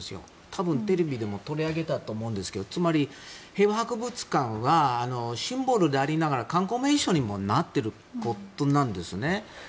多分、テレビでも取り上げたと思うんですけどつまり、平和博物館はシンボルでありながら観光名所にもなっているんですよね。